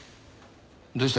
どうした？